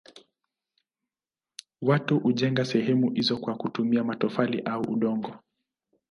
Watu hujenga sehemu hizo kwa kutumia matofali au udongo.